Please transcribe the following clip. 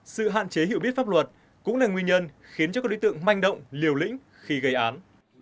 sự hạn chế hiểu biết pháp luật cũng là nguyên nhân khiến cho các đối tượng manh động liều lĩnh khi gây án